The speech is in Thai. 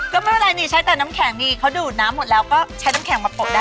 ก็ไม่เป็นไรนี่ใช้แต่น้ำแข็งนี่เขาดูดน้ำหมดแล้วก็ใช้น้ำแข็งมาปกได้